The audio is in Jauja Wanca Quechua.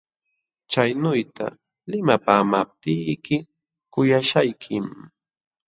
Chaynuyta limapaamaptiyki kuyaśhaykim.